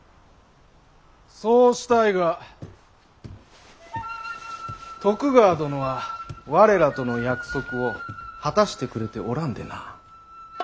そうしたいが徳川殿は我らとの約束を果たしてくれておらんでな。